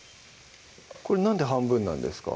これなんで半分なんですか？